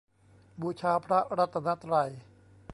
บูชาพระรัตนตรัย